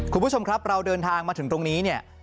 คุณผู้ชมครับเราเดินทางมาถึงตรงนี้เนี่ย